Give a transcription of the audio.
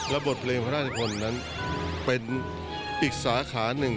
และบทเพลงพระราชนิพนธ์มันเป็นอีกสาขาหนึ่ง